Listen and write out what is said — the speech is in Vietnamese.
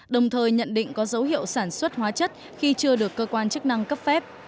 đồng thời nhận định có dấu hiệu sản xuất hóa chất khi chưa được cơ quan chức năng cấp phép